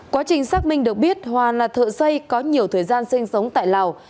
quá trình xác minh được biết hòa là thợ xây có nhiều thời gian sinh sống tại lào